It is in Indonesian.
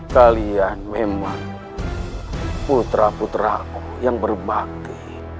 kalian memang putra putraku yang berbakti